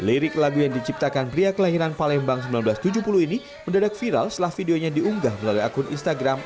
lirik lagu yang diciptakan pria kelahiran palembang seribu sembilan ratus tujuh puluh ini mendadak viral setelah videonya diunggah melalui akun instagram